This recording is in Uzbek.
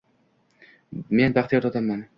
Men baxtiyor odamman.